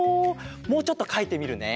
もうちょっとかいてみるね。